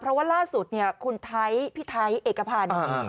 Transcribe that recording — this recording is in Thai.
เพราะว่าล่าสุดคุณไท้พี่ไท้เอกพันธุ์